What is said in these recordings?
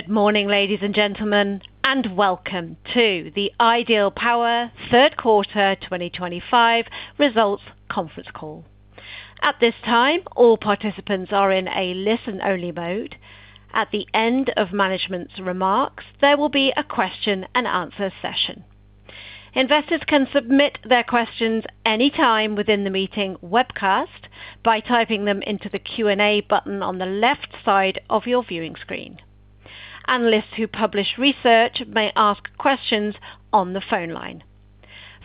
Good morning, ladies and gentlemen, and welcome to the Ideal Power Third Quarter 2025 Results Conference Call. At this time, all participants are in a listen-only mode. At the end of management's remarks, there will be a question-and-answer session. Investors can submit their questions anytime within the meeting webcast by typing them into the Q&A button on the left side of your viewing screen. Analysts who publish research may ask questions on the phone line.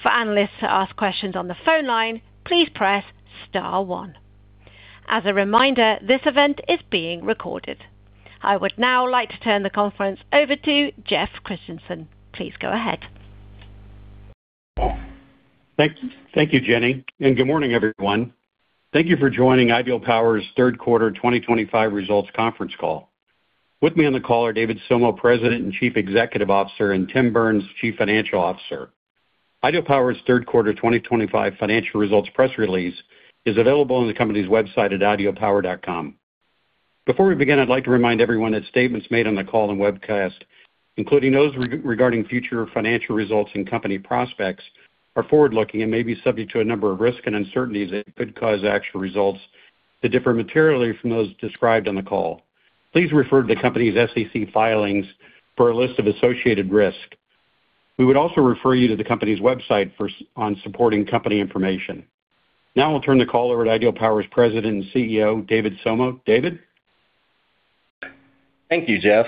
For analysts to ask questions on the phone line, please press star one. As a reminder, this event is being recorded. I would now like to turn the conference over to Jeff Christensen. Please go ahead. Thank you, Jenny, and good morning, everyone. Thank you for joining Ideal Power's Third Quarter 2025 Results Conference Call. With me on the call are David Somo, President and Chief Executive Officer, and Tim Burns, Chief Financial Officer. Ideal Power's Third Quarter 2025 Financial Results Press Release is available on the company's website at idealpower.com. Before we begin, I'd like to remind everyone that statements made on the call and webcast, including those regarding future financial results and company prospects, are forward-looking and may be subject to a number of risks and uncertainties that could cause actual results that differ materially from those described on the call. Please refer to the company's SEC filings for a list of associated risks. We would also refer you to the company's website for supporting company information. Now I'll turn the call over to Ideal Power's President and CEO, David Somo. David? Thank you, Jeff.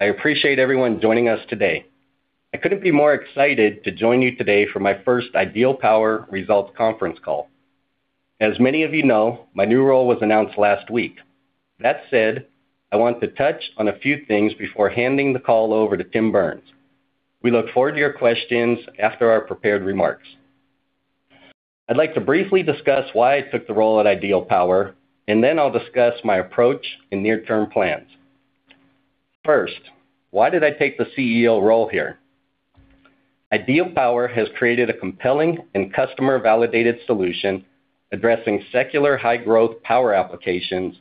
I appreciate everyone joining us today. I couldn't be more excited to join you today for my first Ideal Power Results Conference Call. As many of you know, my new role was announced last week. That said, I want to touch on a few things before handing the call over to Tim Burns. We look forward to your questions after our prepared remarks. I'd like to briefly discuss why I took the role at Ideal Power, and then I'll discuss my approach and near-term plans. First, why did I take the CEO role here? Ideal Power has created a compelling and customer-validated solution addressing secular high-growth power applications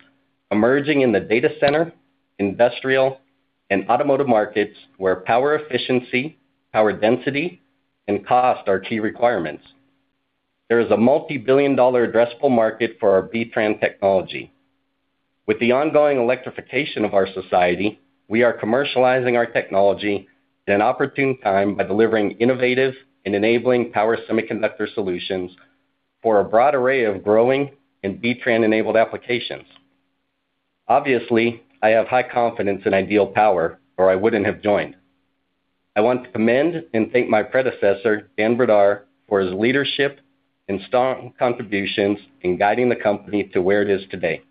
emerging in the data center, industrial, and automotive markets where power efficiency, power density, and cost are key requirements. There is a multi-billion dollar addressable market for our B-TRAN technology. With the ongoing electrification of our society, we are commercializing our technology at an opportune time by delivering innovative and enabling power semiconductor solutions for a broad array of growing and B-TRAN-enabled applications. Obviously, I have high confidence in Ideal Power, or I wouldn't have joined. I want to commend and thank my predecessor, Dan Brdar, for his leadership and strong contributions in guiding the company to where it is today.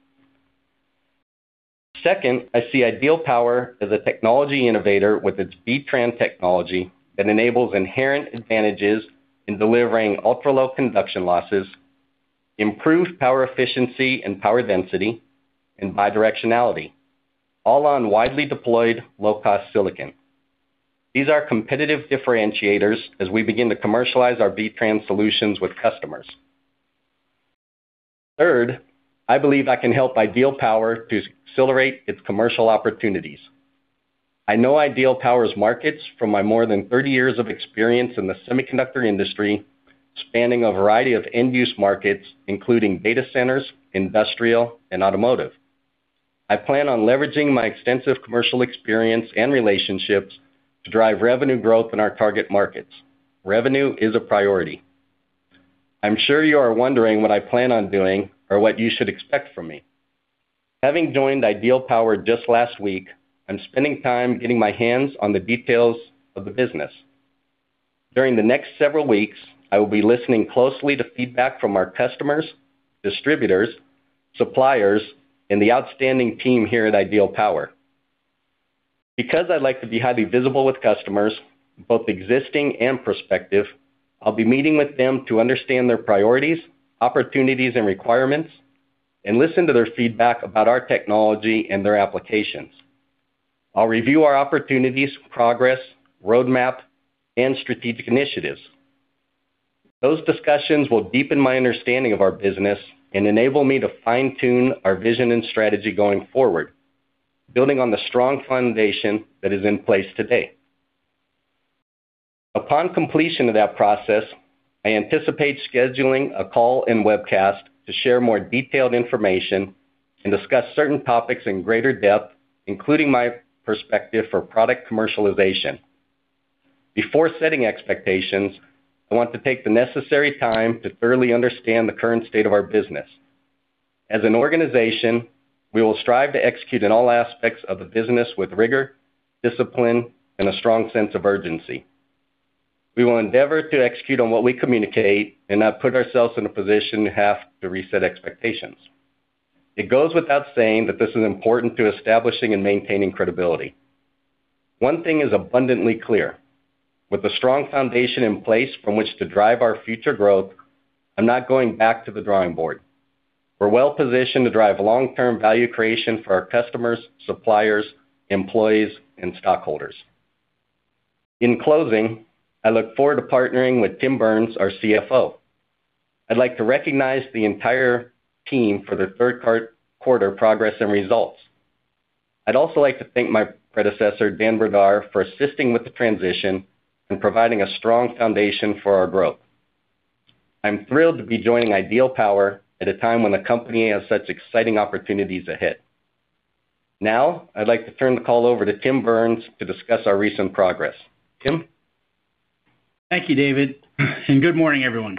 Second, I see Ideal Power as a technology innovator with its B-TRAN technology that enables inherent advantages in delivering ultra-low conduction losses, improved power efficiency and power density, and bidirectionality, all on widely deployed low-cost silicon. These are competitive differentiators as we begin to commercialize our B-TRAN solutions with customers. Third, I believe I can help Ideal Power to accelerate its commercial opportunities. I know Ideal Power's markets from my more than 30 years of experience in the semiconductor industry, spanning a variety of end-use markets, including data centers, industrial, and automotive. I plan on leveraging my extensive commercial experience and relationships to drive revenue growth in our target markets. Revenue is a priority. I'm sure you are wondering what I plan on doing or what you should expect from me. Having joined Ideal Power just last week, I'm spending time getting my hands on the details of the business. During the next several weeks, I will be listening closely to feedback from our customers, distributors, suppliers, and the outstanding team here at Ideal Power. Because I'd like to be highly visible with customers, both existing and prospective, I'll be meeting with them to understand their priorities, opportunities, and requirements, and listen to their feedback about our technology and their applications. I'll review our opportunities, progress, roadmap, and strategic initiatives. Those discussions will deepen my understanding of our business and enable me to fine-tune our vision and strategy going forward, building on the strong foundation that is in place today. Upon completion of that process, I anticipate scheduling a call and webcast to share more detailed information and discuss certain topics in greater depth, including my perspective for product commercialization. Before setting expectations, I want to take the necessary time to thoroughly understand the current state of our business. As an organization, we will strive to execute in all aspects of the business with rigor, discipline, and a strong sense of urgency. We will endeavor to execute on what we communicate and not put ourselves in a position to have to reset expectations. It goes without saying that this is important to establishing and maintaining credibility. One thing is abundantly clear. With a strong foundation in place from which to drive our future growth, I'm not going back to the drawing board. We're well-positioned to drive long-term value creation for our customers, suppliers, employees, and stockholders. In closing, I look forward to partnering with Tim Burns, our CFO. I'd like to recognize the entire team for their third quarter progress and results. I'd also like to thank my predecessor, Dan Brdar, for assisting with the transition and providing a strong foundation for our growth. I'm thrilled to be joining Ideal Power at a time when the company has such exciting opportunities ahead. Now, I'd like to turn the call over to Tim Burns to discuss our recent progress. Tim? Thank you, David. Good morning, everyone.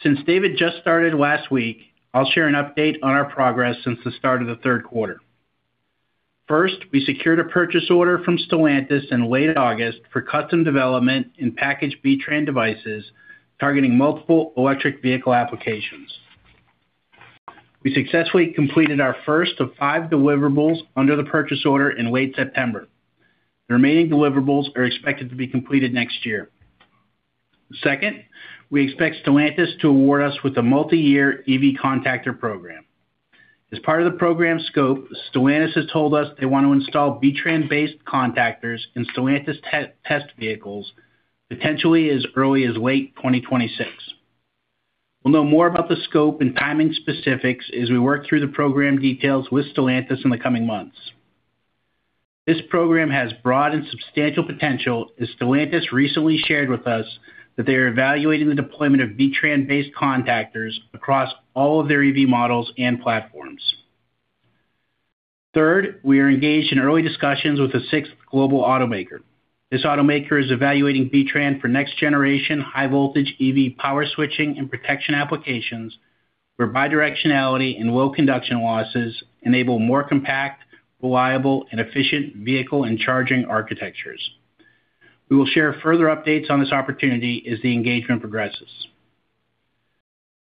Since David just started last week, I'll share an update on our progress since the start of the third quarter. First, we secured a purchase order from Stellantis in late August for custom development and packaged B-TRAN devices targeting multiple electric vehicle applications. We successfully completed our first of five deliverables under the purchase order in late September. The remaining deliverables are expected to be completed next year. Second, we expect Stellantis to award us with a multi-year EV contactor program. As part of the program scope, Stellantis has told us they want to install B-TRAN-based contactors in Stellantis test vehicles potentially as early as late 2026. We'll know more about the scope and timing specifics as we work through the program details with Stellantis in the coming months. This program has broad and substantial potential as Stellantis recently shared with us that they are evaluating the deployment of B-TRAN-based contactors across all of their EV models and platforms. Third, we are engaged in early discussions with the sixth global automaker. This automaker is evaluating B-TRAN for next-generation high-voltage EV power switching and protection applications where bidirectionality and low conduction losses enable more compact, reliable, and efficient vehicle and charging architectures. We will share further updates on this opportunity as the engagement progresses.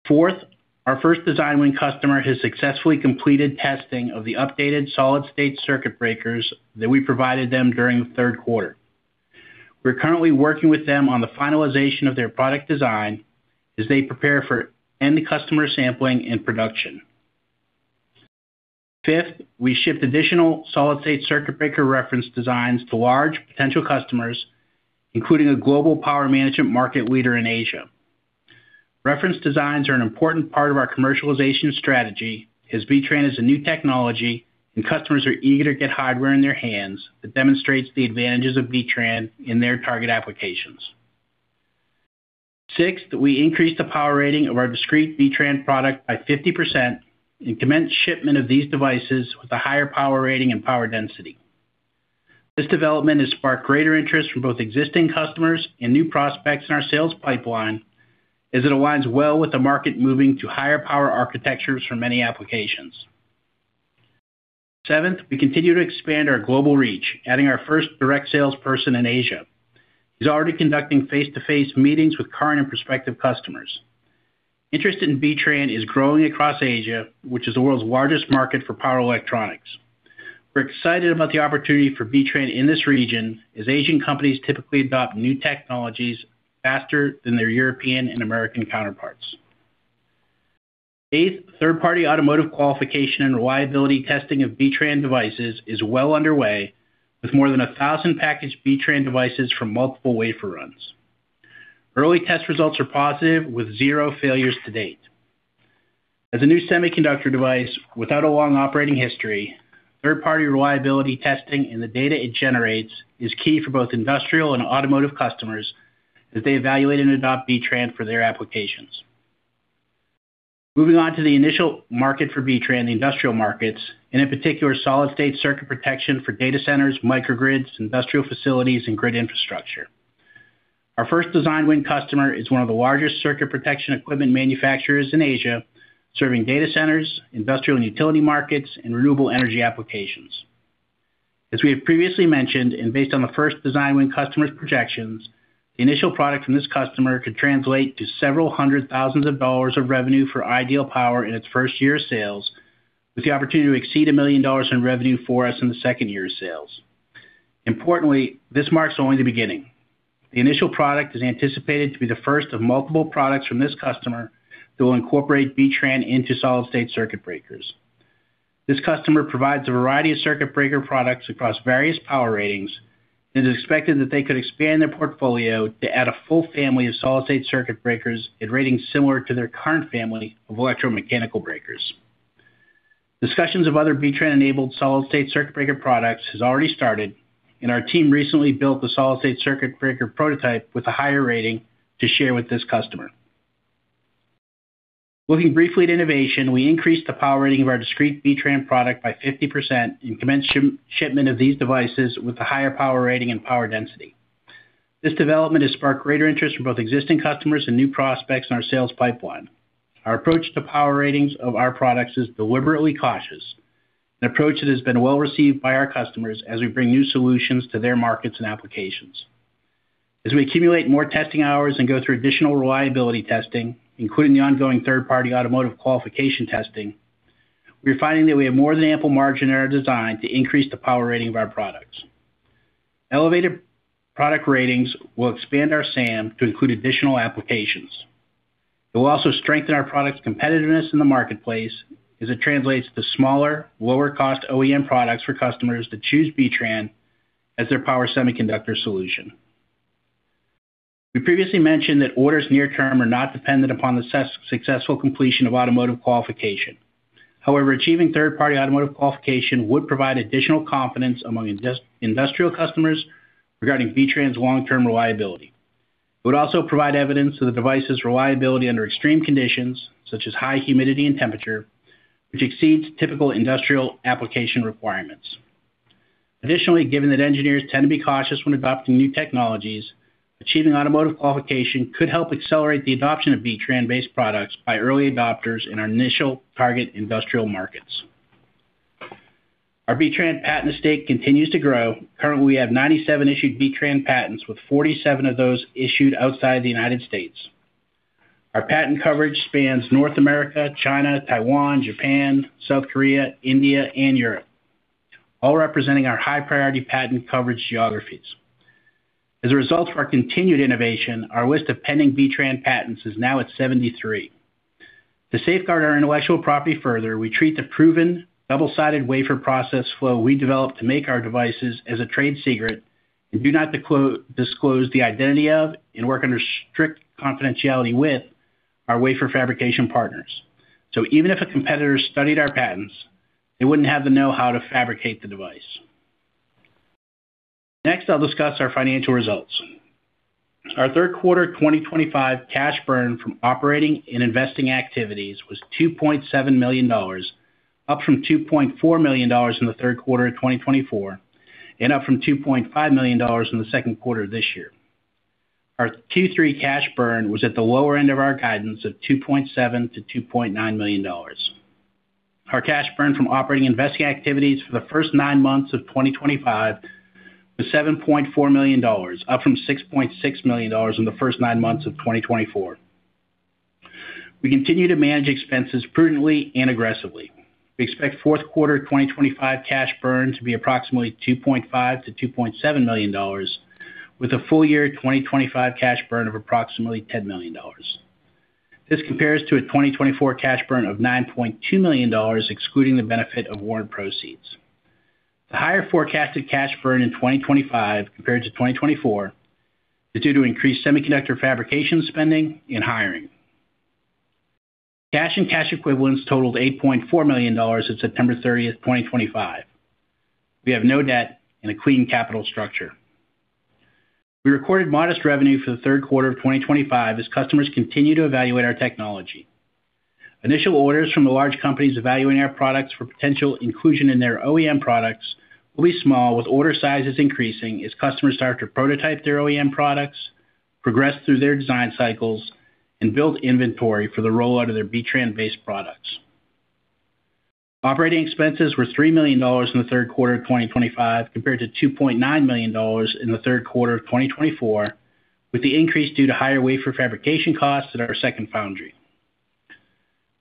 Fourth, our first DesignWin customer has successfully completed testing of the updated solid-state circuit breakers that we provided them during the third quarter. We're currently working with them on the finalization of their product design as they prepare for end-customer sampling and production. Fifth, we shipped additional solid-state circuit breaker reference designs to large potential customers, including a global power management market leader in Asia. Reference designs are an important part of our commercialization strategy as B-TRAN is a new technology and customers are eager to get hardware in their hands that demonstrates the advantages of B-TRAN in their target applications. Sixth, we increased the power rating of our discrete B-TRAN product by 50% and commenced shipment of these devices with a higher power rating and power density. This development has sparked greater interest from both existing customers and new prospects in our sales pipeline as it aligns well with the market moving to higher power architectures for many applications. Seventh, we continue to expand our global reach, adding our first direct salesperson in Asia. He's already conducting face-to-face meetings with current and prospective customers. Interest in B-TRAN is growing across Asia, which is the world's largest market for power electronics. We're excited about the opportunity for B-TRAN in this region as Asian companies typically adopt new technologies faster than their European and American counterparts. Eighth, third-party automotive qualification and reliability testing of B-TRAN devices is well underway with more than 1,000 packaged B-TRAN devices from multiple wafer runs. Early test results are positive with zero failures to date. As a new semiconductor device without a long operating history, third-party reliability testing and the data it generates is key for both industrial and automotive customers as they evaluate and adopt B-TRAN for their applications. Moving on to the initial market for B-TRAN, the industrial markets, and in particular, solid-state circuit protection for data centers, microgrids, industrial facilities, and grid infrastructure. Our first DesignWin customer is one of the largest circuit protection equipment manufacturers in Asia, serving data centers, industrial and utility markets, and renewable energy applications. As we have previously mentioned, and based on the first DesignWin customer's projections, the initial product from this customer could translate to several hundred thousand dollars of revenue for Ideal Power in its first year of sales, with the opportunity to exceed $1 million in revenue for us in the second year of sales. Importantly, this marks only the beginning. The initial product is anticipated to be the first of multiple products from this customer that will incorporate B-TRAN into solid-state circuit breakers. This customer provides a variety of circuit breaker products across various power ratings, and it is expected that they could expand their portfolio to add a full family of solid-state circuit breakers at ratings similar to their current family of electromechanical breakers. Discussions of other B-TRAN-enabled solid-state circuit breaker products have already started, and our team recently built the solid-state circuit breaker prototype with a higher rating to share with this customer. Looking briefly at innovation, we increased the power rating of our discrete B-TRAN product by 50% and commenced shipment of these devices with a higher power rating and power density. This development has sparked greater interest from both existing customers and new prospects in our sales pipeline. Our approach to power ratings of our products is deliberately cautious, an approach that has been well received by our customers as we bring new solutions to their markets and applications. As we accumulate more testing hours and go through additional reliability testing, including the ongoing third-party automotive qualification testing, we are finding that we have more than ample margin in our design to increase the power rating of our products. Elevated product ratings will expand our SAM to include additional applications. It will also strengthen our product's competitiveness in the marketplace as it translates to smaller, lower-cost OEM products for customers that choose B-TRAN as their power semiconductor solution. We previously mentioned that orders near-term are not dependent upon the successful completion of automotive qualification. However, achieving third-party automotive qualification would provide additional confidence among industrial customers regarding B-TRAN's long-term reliability. It would also provide evidence of the device's reliability under extreme conditions, such as high humidity and temperature, which exceeds typical industrial application requirements. Additionally, given that engineers tend to be cautious when adopting new technologies, achieving automotive qualification could help accelerate the adoption of B-TRAN-based products by early adopters in our initial target industrial markets. Our B-TRAN patent estate continues to grow. Currently, we have 97 issued B-TRAN patents, with 47 of those issued outside the United States. Our patent coverage spans North America, China, Taiwan, Japan, South Korea, India, and Europe, all representing our high-priority patent coverage geographies. As a result of our continued innovation, our list of pending B-TRAN patents is now at 73. To safeguard our intellectual property further, we treat the proven double-sided wafer process flow we developed to make our devices as a trade secret and do not disclose the identity of and work under strict confidentiality with our wafer fabrication partners. Even if a competitor studied our patents, they would not have the know-how to fabricate the device. Next, I'll discuss our financial results. Our third quarter 2025 cash burn from operating and investing activities was $2.7 million, up from $2.4 million in the third quarter of 2024 and up from $2.5 million in the second quarter of this year. Our Q3 cash burn was at the lower end of our guidance of $2.7 million-$2.9 million. Our cash burn from operating and investing activities for the first nine months of 2025 was $7.4 million, up from $6.6 million in the first nine months of 2024. We continue to manage expenses prudently and aggressively. We expect fourth quarter 2025 cash burn to be approximately $2.5 million-$2.7 million, with a full year 2025 cash burn of approximately $10 million. This compares to a 2024 cash burn of $9.2 million, excluding the benefit of warrant proceeds. The higher forecasted cash burn in 2025 compared to 2024 is due to increased semiconductor fabrication spending and hiring. Cash and cash equivalents totaled $8.4 million at September 30th, 2025. We have no debt and a clean capital structure. We recorded modest revenue for the third quarter of 2025 as customers continue to evaluate our technology. Initial orders from the large companies evaluating our products for potential inclusion in their OEM products will be small, with order sizes increasing as customers start to prototype their OEM products, progress through their design cycles, and build inventory for the rollout of their B-TRAN-based products. Operating expenses were $3 million in the third quarter of 2025 compared to $2.9 million in the third quarter of 2024, with the increase due to higher wafer fabrication costs at our second foundry.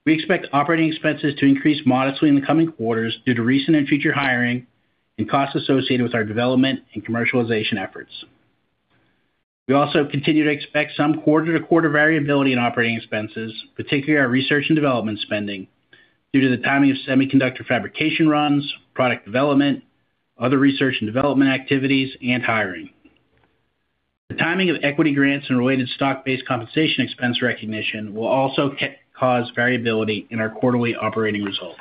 We expect operating expenses to increase modestly in the coming quarters due to recent and future hiring and costs associated with our development and commercialization efforts. We also continue to expect some quarter-to-quarter variability in operating expenses, particularly our research and development spending, due to the timing of semiconductor fabrication runs, product development, other research and development activities, and hiring. The timing of equity grants and related stock-based compensation expense recognition will also cause variability in our quarterly operating results.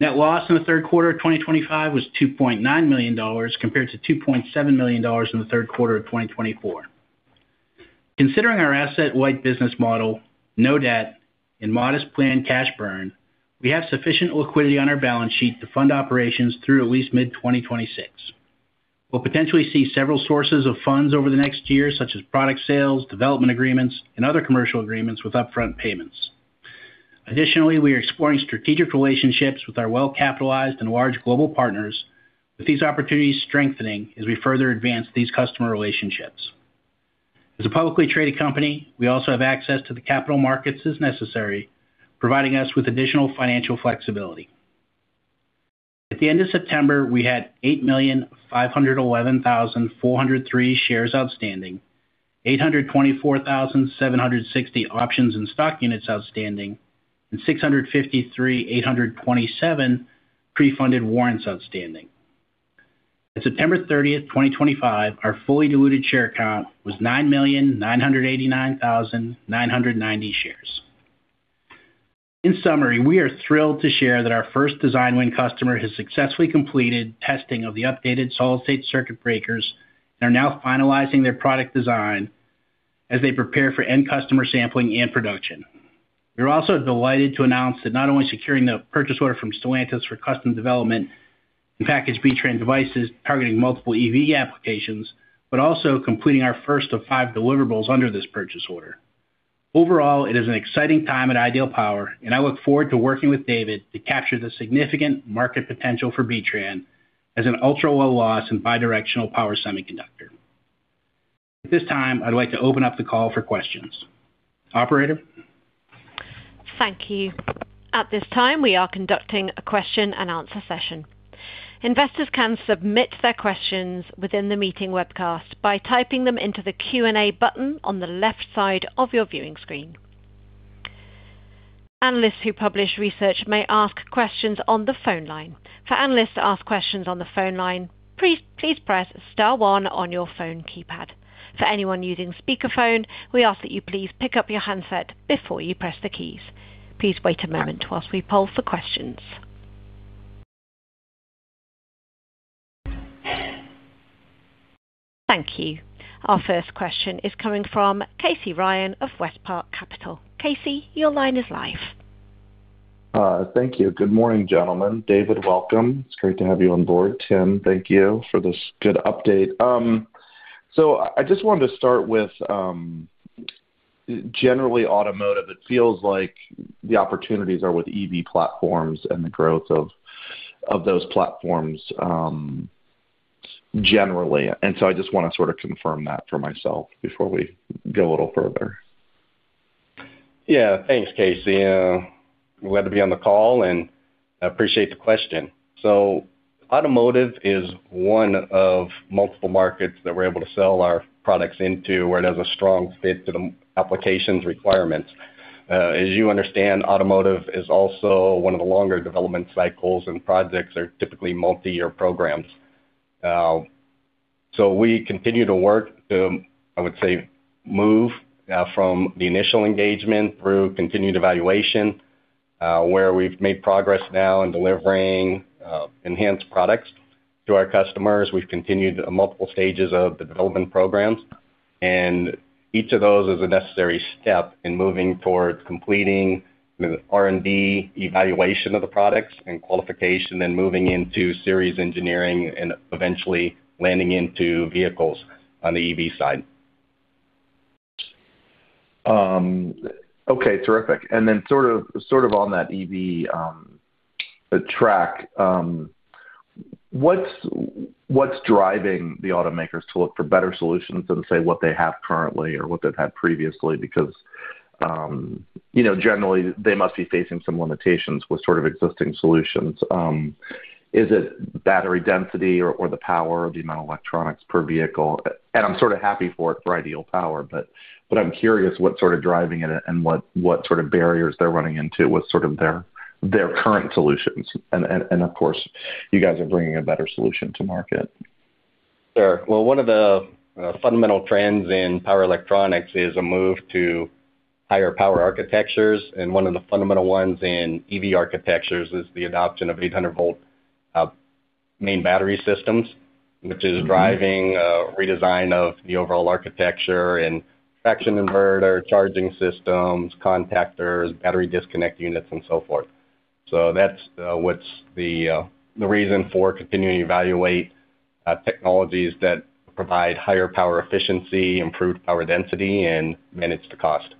Net loss in the third quarter of 2025 was $2.9 million compared to $2.7 million in the third quarter of 2024. Considering our asset-wide business model, no debt, and modest planned cash burn, we have sufficient liquidity on our balance sheet to fund operations through at least mid-2026. We'll potentially see several sources of funds over the next year, such as product sales, development agreements, and other commercial agreements with upfront payments. Additionally, we are exploring strategic relationships with our well-capitalized and large global partners, with these opportunities strengthening as we further advance these customer relationships. As a publicly traded company, we also have access to the capital markets as necessary, providing us with additional financial flexibility. At the end of September, we had 8,511,403 shares outstanding, 824,760 options and stock units outstanding, and 653,827 pre-funded warrants outstanding. At September 30, 2025, our fully diluted share count was 9,989,990 shares. In summary, we are thrilled to share that our first DesignWing customer has successfully completed testing of the updated solid-state circuit breakers and are now finalizing their product design as they prepare for end-customer sampling and production. We are also delighted to announce that not only securing the purchase order from Stellantis for custom development and packaged B-TRAN devices targeting multiple EV applications, but also completing our first of five deliverables under this purchase order. Overall, it is an exciting time at Ideal Power, and I look forward to working with David to capture the significant market potential for B-TRAN as an ultra-low-loss and bidirectional power semiconductor. At this time, I'd like to open up the call for questions. Operator. Thank you. At this time, we are conducting a question-and-answer session. Investors can submit their questions within the meeting webcast by typing them into the Q&A button on the left side of your viewing screen. Analysts who publish research may ask questions on the phone line. For analysts to ask questions on the phone line, please press star one on your phone keypad. For anyone using speakerphone, we ask that you please pick up your handset before you press the keys. Please wait a moment whilst we poll for questions. Thank you. Our first question is coming from Casey Ryan of WestPark Capital. Casey, your line is live. Thank you. Good morning, gentlemen. David, welcome. It's great to have you on board. Tim, thank you for this good update. I just wanted to start with generally automotive. It feels like the opportunities are with EV platforms and the growth of those platforms generally. I just want to sort of confirm that for myself before we go a little further. Yeah. Thanks, Casey. Glad to be on the call, and I appreciate the question. Automotive is one of multiple markets that we're able to sell our products into, where it has a strong fit to the application's requirements. As you understand, automotive is also one of the longer development cycles, and projects are typically multi-year programs. We continue to work to, I would say, move from the initial engagement through continued evaluation, where we've made progress now in delivering enhanced products to our customers. We've continued multiple stages of the development programs, and each of those is a necessary step in moving towards completing the R&D evaluation of the products and qualification, then moving into series engineering and eventually landing into vehicles on the EV side. Okay. Terrific. And then sort of on that EV track, what's driving the automakers to look for better solutions than, say, what they have currently or what they've had previously? Because generally, they must be facing some limitations with sort of existing solutions. Is it battery density or the power of the amount of electronics per vehicle? I'm sort of happy for it for Ideal Power, but I'm curious what's sort of driving it and what sort of barriers they're running into with sort of their current solutions. Of course, you guys are bringing a better solution to market. One of the fundamental trends in power electronics is a move to higher power architectures. One of the fundamental ones in EV architectures is the adoption of 800-volt main battery systems, which is driving a redesign of the overall architecture and traction inverter, charging systems, contactors, battery disconnect units, and so forth. That's the reason for continuing to evaluate technologies that provide higher power efficiency, improved power density, and manage the cost.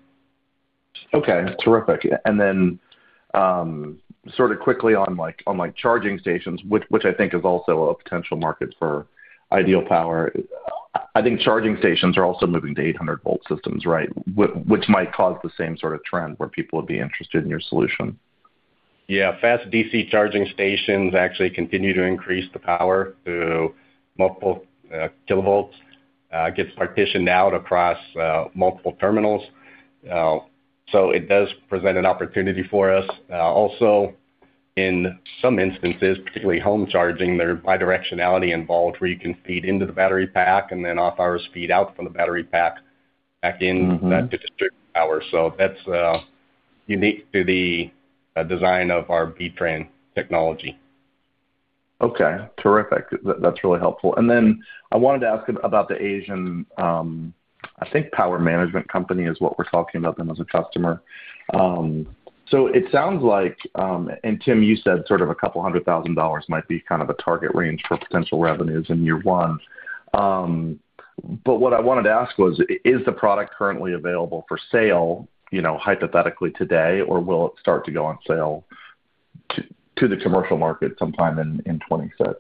Okay. Terrific. Then sort of quickly on charging stations, which I think is also a potential market for Ideal Power. I think charging stations are also moving to 800-volt systems, right, which might cause the same sort of trend where people would be interested in your solution. Yeah. Fast DC charging stations actually continue to increase the power to multiple kilovolts. It gets partitioned out across multiple terminals. It does present an opportunity for us. Also, in some instances, particularly home charging, there is bidirectionality involved where you can feed into the battery pack and then off-hours feed out from the battery pack back in that distributed power. That is unique to the design of our B-TRAN technology. Okay. Terrific. That is really helpful. I wanted to ask about the Asian, I think, power management company is what we are talking about them as a customer. It sounds like, and Tim, you said sort of a couple hundred thousand dollars might be kind of a target range for potential revenues in year one. What I wanted to ask was, is the product currently available for sale, hypothetically, today, or will it start to go on sale to the commercial market sometime in 2026?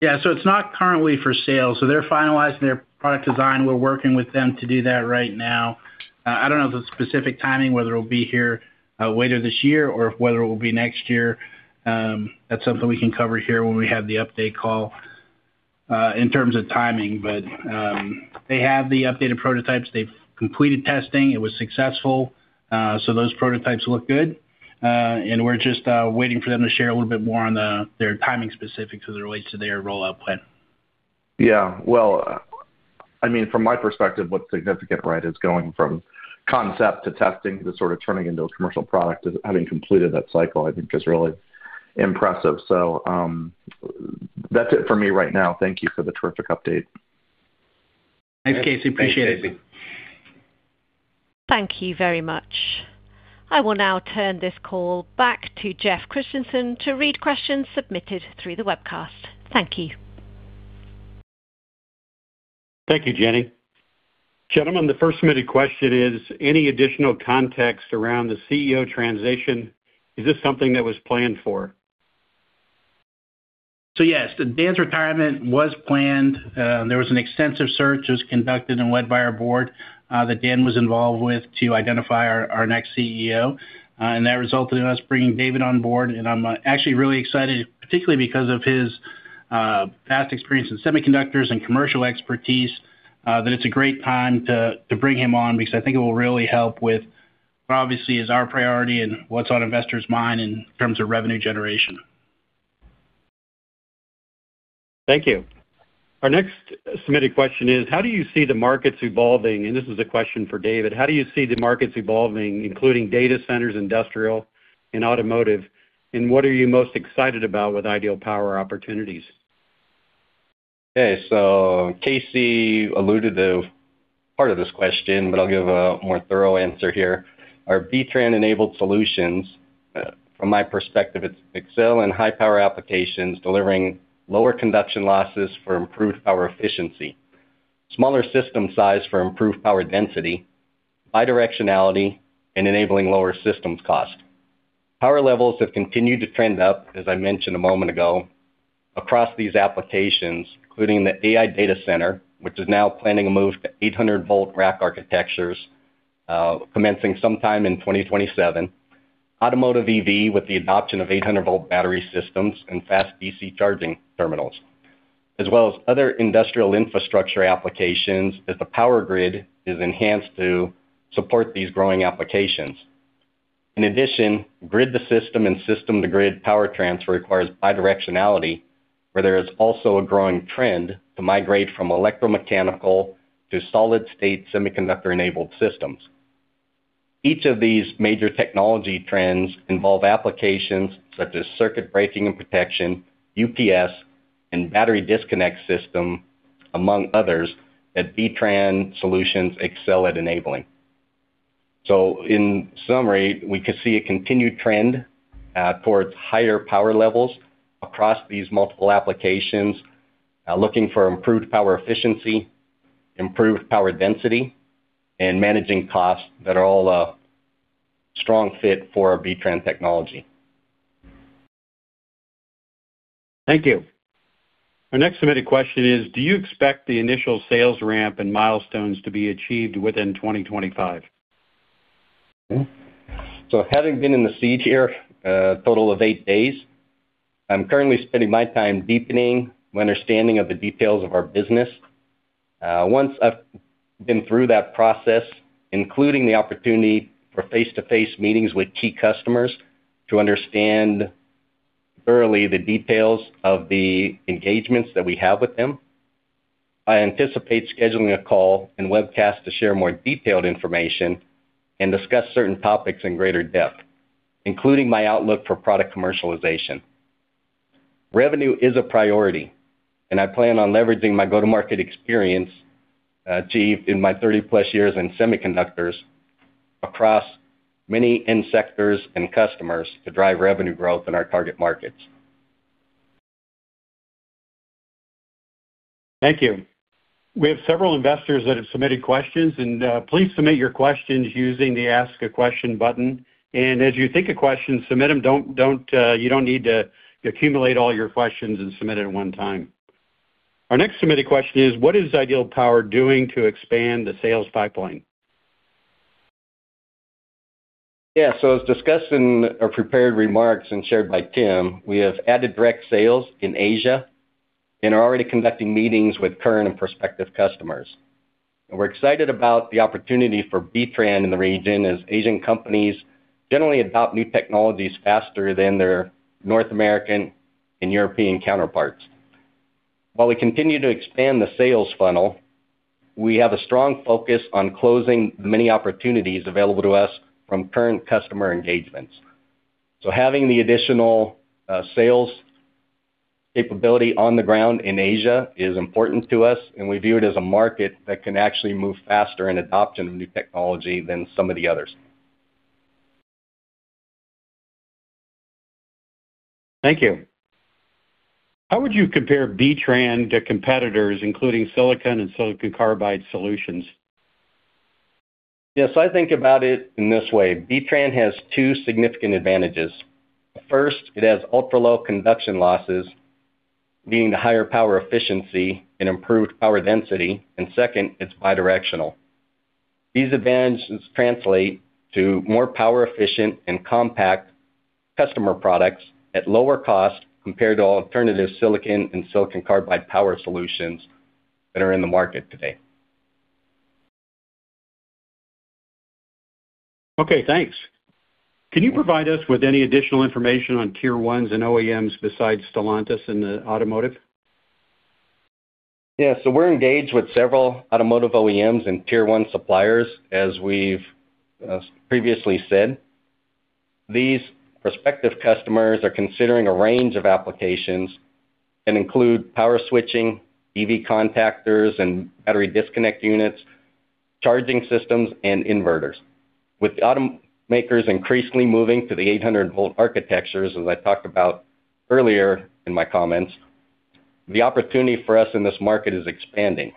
Yeah. It is not currently for sale. They are finalizing their product design. We are working with them to do that right now. I do not know the specific timing, whether it will be here later this year or whether it will be next year. That is something we can cover here when we have the update call in terms of timing. They have the updated prototypes. They have completed testing. It was successful. Those prototypes look good. We're just waiting for them to share a little bit more on their timing specifics as it relates to their rollout plan. Yeah. I mean, from my perspective, what's significant, right, is going from concept to testing to sort of turning into a commercial product, having completed that cycle, I think, is really impressive. That's it for me right now. Thank you for the terrific update. Thanks, Casey. Appreciate it. Thanks, Casey. Thank you very much. I will now turn this call back to Jeff Christensen to read questions submitted through the webcast. Thank you. Thank you, Jenny. Gentlemen, the first submitted question is, any additional context around the CEO transition? Is this something that was planned for? Yes, Dan's retirement was planned. There was an extensive search that was conducted and led by our board that Dan was involved with to identify our next CEO. That resulted in us bringing David on board. I'm actually really excited, particularly because of his vast experience in semiconductors and commercial expertise, that it's a great time to bring him on because I think it will really help with what obviously is our priority and what's on investors' mind in terms of revenue generation. Thank you. Our next submitted question is, how do you see the markets evolving? This is a question for David. How do you see the markets evolving, including data centers, industrial, and automotive? What are you most excited about with Ideal Power opportunities? Okay. Casey alluded to part of this question, but I'll give a more thorough answer here. Our B-TRAN-enabled solutions, from my perspective, excel in high-power applications delivering lower conduction losses for improved power efficiency, smaller system size for improved power density, bidirectionality, and enabling lower systems cost. Power levels have continued to trend up, as I mentioned a moment ago, across these applications, including the AI data center, which is now planning a move to 800-volt rack architectures, commencing sometime in 2027, automotive EV with the adoption of 800-volt battery systems and fast DC charging terminals, as well as other industrial infrastructure applications as the power grid is enhanced to support these growing applications. In addition, grid-to-system and system-to-grid power transfer requires bidirectionality, where there is also a growing trend to migrate from electromechanical to solid-state semiconductor-enabled systems. Each of these major technology trends involve applications such as circuit breaking and protection, UPS, and battery disconnect systems, among others that B-TRAN solutions excel at enabling. In summary, we can see a continued trend towards higher power levels across these multiple applications, looking for improved power efficiency, improved power density, and managing costs that are all a strong fit for B-TRAN technology. Thank you. Our next submitted question is, do you expect the initial sales ramp and milestones to be achieved within 2025? Having been in the seat here a total of eight days, I'm currently spending my time deepening my understanding of the details of our business. Once I've been through that process, including the opportunity for face-to-face meetings with key customers to understand thoroughly the details of the engagements that we have with them, I anticipate scheduling a call and webcast to share more detailed information and discuss certain topics in greater depth, including my outlook for product commercialization. Revenue is a priority, and I plan on leveraging my go-to-market experience achieved in my 30 years in semiconductors across many end sectors and customers to drive revenue growth in our target markets. Thank you. We have several investors that have submitted questions, and please submit your questions using the ask-a-question button. As you think of questions, submit them. You do not need to accumulate all your questions and submit it at one time. Our next submitted question is, what is Ideal Power doing to expand the sales pipeline? Yeah. As discussed in our prepared remarks and shared by Tim, we have added direct sales in Asia and are already conducting meetings with current and prospective customers. We are excited about the opportunity for B-TRAN in the region as Asian companies generally adopt new technologies faster than their North American and European counterparts. While we continue to expand the sales funnel, we have a strong focus on closing the many opportunities available to us from current customer engagements. Having the additional sales capability on the ground in Asia is important to us, and we view it as a market that can actually move faster in adoption of new technology than some of the others. Thank you. How would you compare B-TRAN to competitors, including silicon and silicon carbide solutions? Yeah. I think about it in this way. B-TRAN has two significant advantages. First, it has ultra-low conduction losses, meaning the higher power efficiency and improved power density. Second, it is bidirectional. These advantages translate to more power-efficient and compact customer products at lower cost compared to alternative silicon and silicon carbide power solutions that are in the market today. Okay. Thanks. Can you provide us with any additional information on tier ones and OEMs besides Stellantis in the automotive? Yeah. So we're engaged with several automotive OEMs and tier one suppliers, as we've previously said. These prospective customers are considering a range of applications that include power switching, EV contactors and battery disconnect units, charging systems, and inverters. With the automakers increasingly moving to the 800-volt architectures, as I talked about earlier in my comments, the opportunity for us in this market is expanding.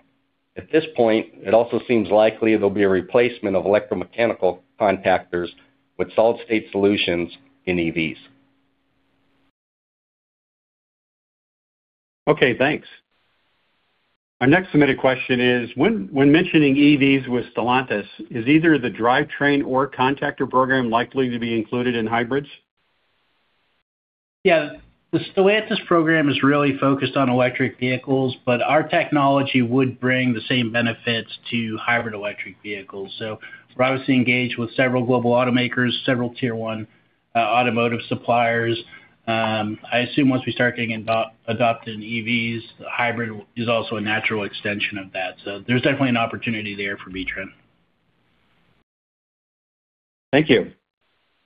At this point, it also seems likely there'll be a replacement of electromechanical contactors with solid-state solutions in EVs. Okay. Thanks. Our next submitted question is, when mentioning EVs with Stellantis, is either the drivetrain or contactor program likely to be included in hybrids? Yeah. The Stellantis program is really focused on electric vehicles, but our technology would bring the same benefits to hybrid electric vehicles. We're obviously engaged with several global automakers, several tier one automotive suppliers. I assume once we start getting adopted in EVs, the hybrid is also a natural extension of that. There's definitely an opportunity there for B-TRAN. Thank you.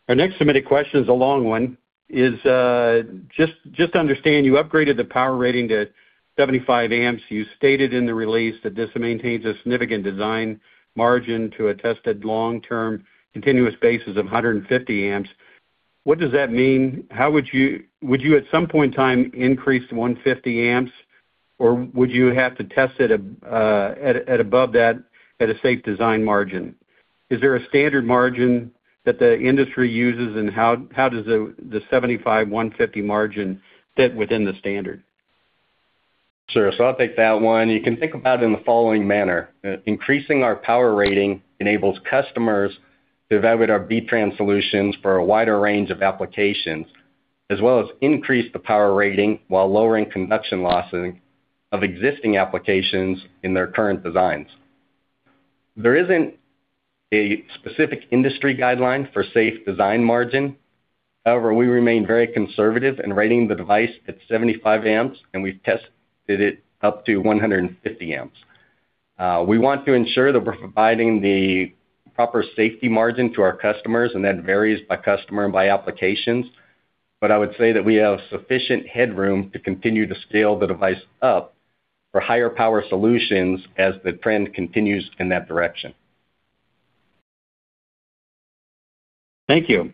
Our next submitted question is a long one. Just to understand, you upgraded the power rating to 75 amps. You stated in the release that this maintains a significant design margin to a tested long-term continuous basis of 150 amps. What does that mean? Would you at some point in time increase to 150 amps, or would you have to test it at above that at a safe design margin? Is there a standard margin that the industry uses, and how does the 75-150 margin fit within the standard? Sure. I'll take that one. You can think about it in the following manner. Increasing our power rating enables customers to evaluate our B-TRAN solutions for a wider range of applications, as well as increase the power rating while lowering conduction losses of existing applications in their current designs. There isn't a specific industry guideline for safe design margin. However, we remain very conservative in rating the device at 75 amps, and we've tested it up to 150 amps. We want to ensure that we're providing the proper safety margin to our customers, and that varies by customer and by applications. I would say that we have sufficient headroom to continue to scale the device up for higher power solutions as the trend continues in that direction. Thank you.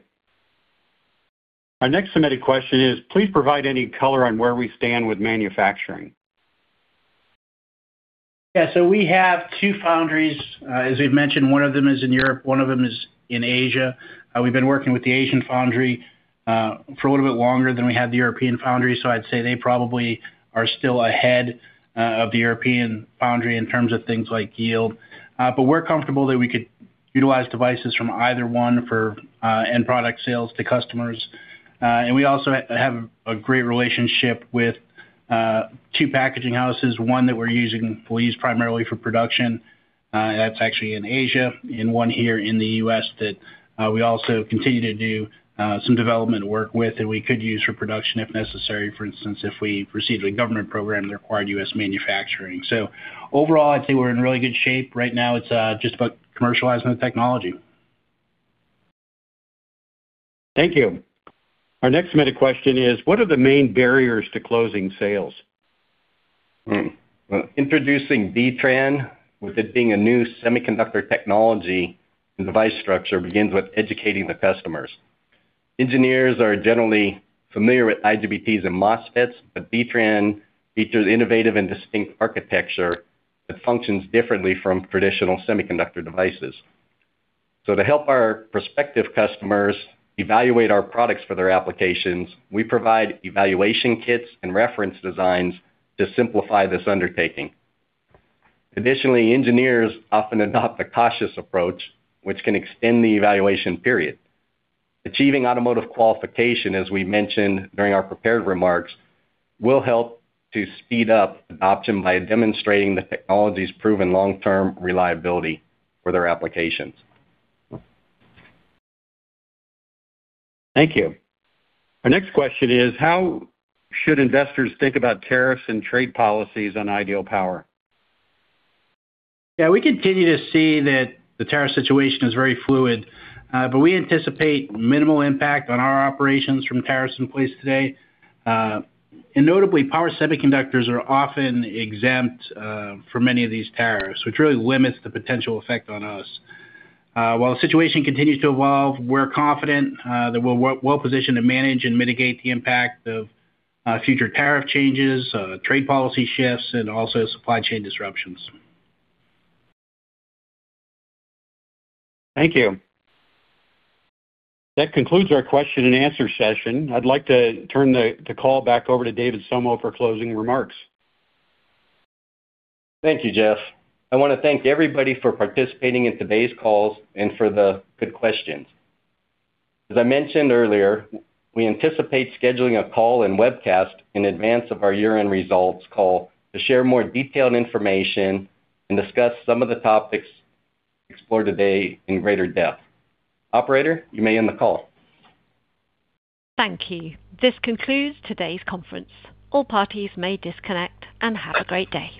Our next submitted question is, please provide any color on where we stand with manufacturing. Yeah. We have two foundries. As we've mentioned, one of them is in Europe. One of them is in Asia. We've been working with the Asian foundry for a little bit longer than we had the European foundry. I'd say they probably are still ahead of the European foundry in terms of things like yield. We're comfortable that we could utilize devices from either one for end product sales to customers. We also have a great relationship with two packaging houses, one that we're using we'll use primarily for production. That's actually in Asia and one here in the U.S. that we also continue to do some development work with that we could use for production if necessary, for instance, if we received a government program that required U.S. manufacturing. Overall, I think we're in really good shape. Right now, it's just about commercializing the technology. Thank you. Our next submitted question is, what are the main barriers to closing sales? Introducing B-TRAN, with it being a new semiconductor technology and device structure, begins with educating the customers. Engineers are generally familiar with IGBTs and MOSFETs, but B-TRAN features innovative and distinct architecture that functions differently from traditional semiconductor devices. To help our prospective customers evaluate our products for their applications, we provide evaluation kits and reference designs to simplify this undertaking. Additionally, engineers often adopt a cautious approach, which can extend the evaluation period. Achieving automotive qualification, as we mentioned during our prepared remarks, will help to speed up adoption by demonstrating the technology's proven long-term reliability for their applications. Thank you. Our next question is, how should investors think about tariffs and trade policies on Ideal Power? Yeah. We continue to see that the tariff situation is very fluid, but we anticipate minimal impact on our operations from tariffs in place today. Notably, power semiconductors are often exempt from many of these tariffs, which really limits the potential effect on us. While the situation continues to evolve, we're confident that we're well-positioned to manage and mitigate the impact of future tariff changes, trade policy shifts, and also supply chain disruptions. Thank you. That concludes our question-and-answer session. I'd like to turn the call back over to David Somo for closing remarks. Thank you, Jeff. I want to thank everybody for participating in today's calls and for the good questions. As I mentioned earlier, we anticipate scheduling a call and webcast in advance of our year-end results call to share more detailed information and discuss some of the topics explored today in greater depth. Operator, you may end the call. Thank you. This concludes today's conference. All parties may disconnect and have a great day.